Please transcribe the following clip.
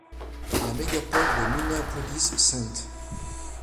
La mégapole de Minneapolis–St.